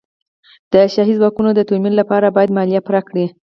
د شاهي ځواکونو د تمویل لپاره باید مالیه پرې کړي.